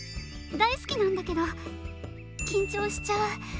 大好きなんだけど緊張しちゃう。